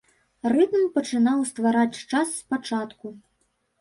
Рытм пачынаў ствараць час спачатку.